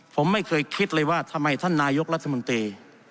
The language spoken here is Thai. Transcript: ผมไม่เคยคิดเลยว่าทำไมท่านนายกรัฐมนตรี